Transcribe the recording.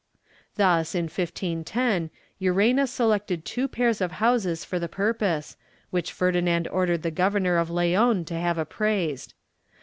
Thus, in 1510, Llerena selected two pairs of houses for the purpose, which Ferdinand ordered the governor of Leon to have appraised.